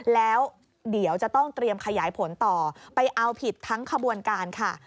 แล้วเดี๋ยวจะต้องเตรียมขยายผลต่อไปเอาผิดทั้งขบวนการค่ะ